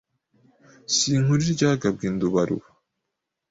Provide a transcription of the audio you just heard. Sinkura iryagabwe i Ndubaruba